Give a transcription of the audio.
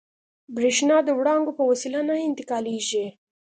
برېښنا د وړانګو په وسیله نه انتقالېږي.